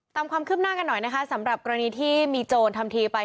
ตามความคืบหน้ากันหน่อยนะคะสำหรับกรณีที่มีโจรทำทีไป